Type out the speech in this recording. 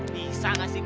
bisa gak sih pak